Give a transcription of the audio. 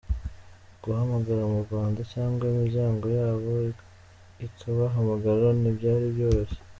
Guhamagara mu Rwanda cyangwa imiryango yabo ikabahamagara ntibyari byoroshye.